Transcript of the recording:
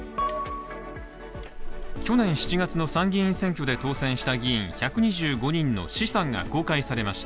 去年７月の参議院選挙で当選した議員１２５人の資産が公開されました。